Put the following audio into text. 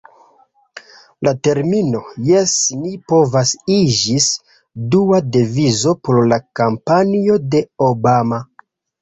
La termino "Jes ni povas" iĝis dua devizo por la kampanjo de Obama.